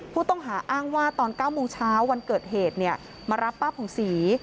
ผู้ต้องหาอ้างว่าตอน๙โมงเช้าวันเกิดเหตุมารับป้าผ่องศรี